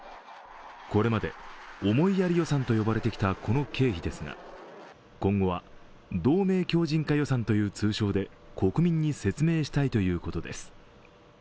これまで思いやり予算と呼ばれてきたこの経費ですが今後は同盟強靱化予算という通称で国民に説明したいということです。